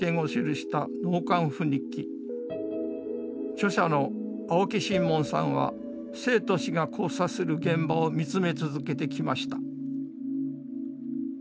著者の青木新門さんは生と死が交差する現場を見つめ続けてきました。